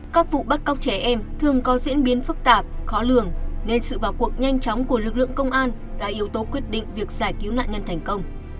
các vụ bắt cóc trẻ em thường có diễn biến phức tạp khó lường nên sự vào cuộc nhanh chóng của lực lượng công an là yếu tố quyết định việc giải cứu nạn nhân thành công